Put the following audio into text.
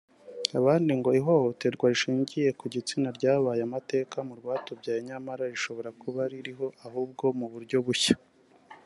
abandi ngo ihohoterwa rishingiye ku gitsina ryabaye amateka mu rwatubyaye nyamara rishobora kuba ririho ahubwo mu buryo bushya